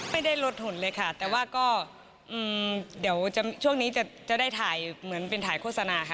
ไม่ได้ลดหุ่นเลยค่ะแต่ว่าก็เดี๋ยวช่วงนี้จะได้ถ่ายเหมือนเป็นถ่ายโฆษณาค่ะ